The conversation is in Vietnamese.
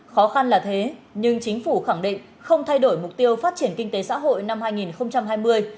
khó khăn là thế nhưng chính phủ khẳng định không thay đổi mục tiêu phát triển kinh tế xã hội năm hai nghìn hai mươi